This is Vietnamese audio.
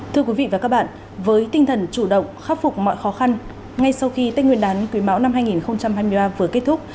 thưa quý vị và các bạn với tinh thần chủ động khắc phục mọi khó khăn ngay sau khi tết nguyên đán quý mão năm hai nghìn hai mươi ba vừa kết thúc